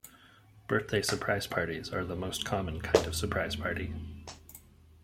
Birthday surprise parties are the most common kind of surprise party.